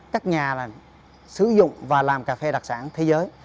các nhà sử dụng và làm cà phê đặc sản thế giới